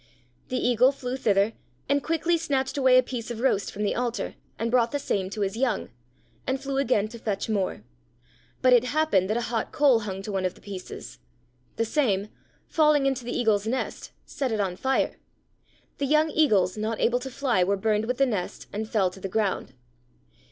The Eagle flew thither, and quickly snatched away a piece of roast from the altar and brought the same to his young, and flew again to fetch more; but it happened that a hot coal hung to one of the pieces; the same, falling into the Eagle's nest, set it on fire; the young Eagles, not able to fly, were burned with the nest and fell to the ground.